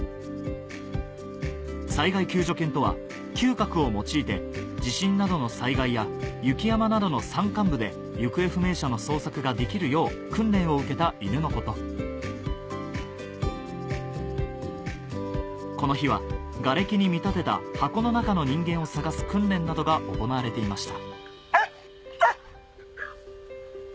災害救助犬とは嗅覚を用いて地震などの災害や雪山などの山間部で行方不明者の捜索ができるよう訓練を受けた犬のことこの日はがれきに見立てた箱の中の人間を捜す訓練などが行われていました